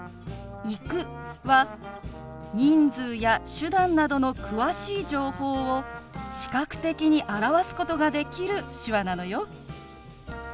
「行く」は人数や手段などの詳しい情報を視覚的に表すことができる手話なのよ。